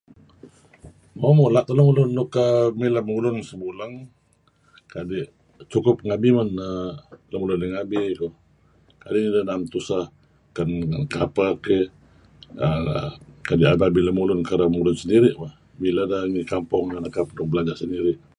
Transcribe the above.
Mo mula' teh lemulun nuk mileh mulun sebuleng kadi' cukup ngabi man uhm nuk midih kadi' naem tuseh ken kapeh ken yu lemulun kerab mulun-mulun sendiri' koh ngi kappong nuk nekap-nekap nuk midih.